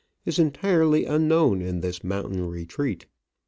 is entirely unknown in this mountain retreat.